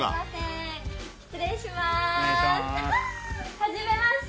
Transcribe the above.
はじめまして！